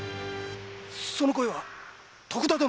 その声は徳田殿？